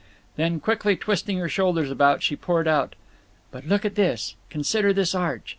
Then, quickly twisting her shoulders about, she poured out: "But look at this. Consider this arch.